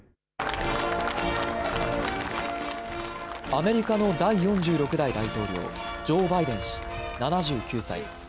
アメリカの第４６代大統領、ジョー・バイデン氏、７９歳。